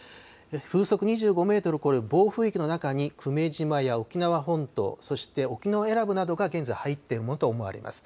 風速２５メートル超える暴風域の中に、久米島や沖縄本島、そして沖永良部などが現在入っているものと思われます。